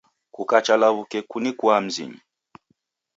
Kukacha law'uke kunikua mzinyi